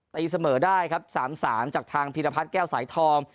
ตีเสมอได้ครับ๓๓จากทางพีรพัฒน์แก้วสายทอง